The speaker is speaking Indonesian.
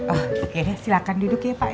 oh ya ya silakan duduk ya pak ya